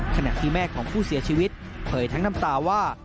ขณะที่แม่ของผู้เสียชีวิตเผยทั้งน้ำตาว่า